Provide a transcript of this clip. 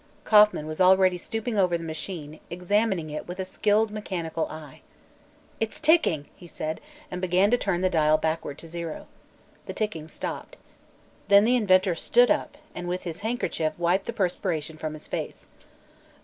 Kauffman was already stooping over the machine, examining it with a skilled mechanical eye. "It's ticking!" he said, and began turning the dial backward to zero. The ticking stopped. Then the inventor stood, up and with his handkerchief wiped the perspiration from his face.